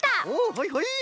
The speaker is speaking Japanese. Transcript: はいはい！